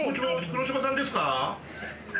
黒島さんですか？